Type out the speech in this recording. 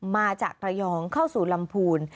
มาจากระยองเข้าสู่ลำพูน